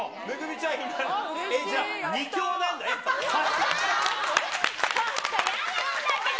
ちょっと、やなんだけど。